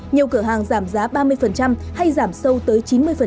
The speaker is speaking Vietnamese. nhiều cửa hàng giảm giá ba mươi hay giảm sâu tới chín mươi